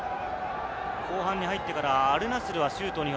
後半入ってからアルナスルはシュートが２本。